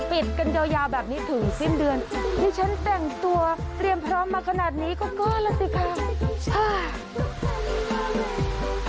ปิดกันยาวแบบนี้ถึงสิ้นเดือนที่ฉันแต่งตัวเตรียมพร้อมมาขนาดนี้ก็ก้อนแล้วสิค่ะ